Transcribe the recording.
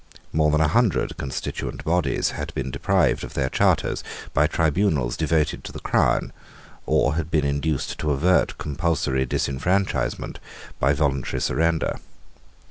More than a hundred constituent bodies had been deprived of their charters by tribunals devoted to the crown, or had been induced to avert compulsory disfranchisement by voluntary surrender.